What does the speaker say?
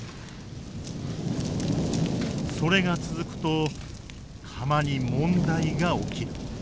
それが続くと釜に問題が起きる。